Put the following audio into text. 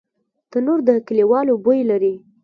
تنور د کلیوالو بوی لري